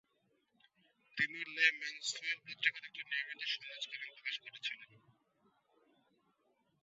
তিনি "Le Mensuel" পত্রিকার একটি নিয়মিত সমাজ কলাম প্রকাশ করেছিলেন।